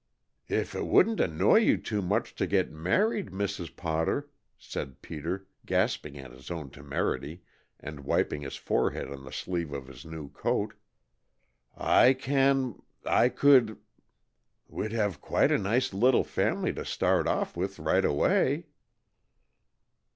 "If it wouldn't annoy you too much to get married, Mrs. Potter," said Peter, gasping at his own temerity, and wiping his forehead on the sleeve of his new coat, "I can I could we'd have quite a nice little family to start off with right away."